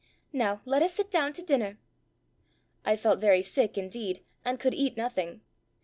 Now let us sit down to dinner." I felt very sick, indeed, and could eat nothing.